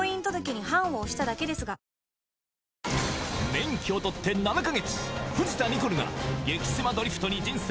免許を取って７か月藤田ニコルが激セマドリフトに人生